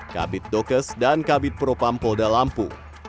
kabit dokes dan kabit propam polda lampung